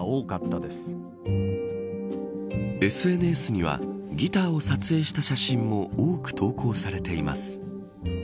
ＳＮＳにはギターを撮影した写真も多く投稿されています。